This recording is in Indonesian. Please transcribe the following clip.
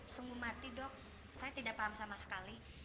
sungguh mati dok saya tidak paham sama sekali